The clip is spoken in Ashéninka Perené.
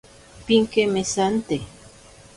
Pinkemesante.